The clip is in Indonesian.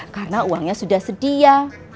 karena uangnya sudah sedia